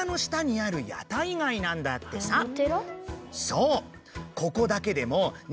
そう！